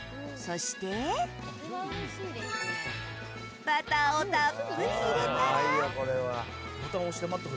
そしてバターをたっぷり入れたら。